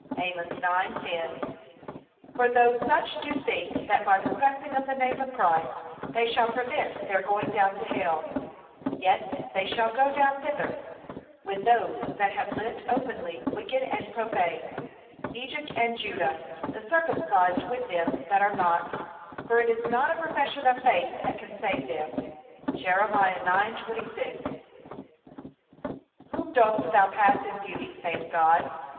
(Amos 9:10) For though such do think that by professing of the name of Christ, they shall prevent their going down to hell, yet they shall go down thither, with those that have lived openly wicked and profane: Egypt, and Judah, the circumcised with them that are not, for it is not a profession of faith that can save them. (Jer. 9:26) 'Whom dost thou pass in beauty,' saith God?